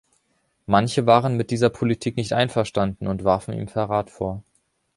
Manche waren mit dieser Politik nicht einverstanden und warfen ihm Verrat vor.